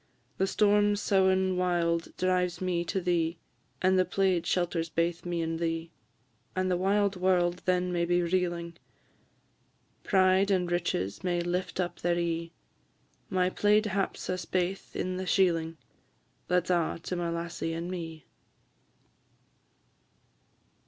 The storm soughin' wild drives me to thee, And the plaid shelters baith me and thee. The wild warld then may be reeling, Pride and riches may lift up their e'e; My plaid haps us baith in the sheeling That 's a' to my lassie and me.